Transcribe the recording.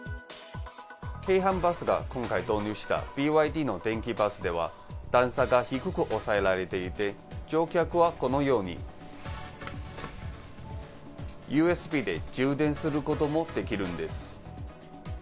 京阪バスが今回導入したＢＹＤの電気バスでは、段差が低く抑えられていて、乗客はこのように、ＵＳＢで充電することもできるんです。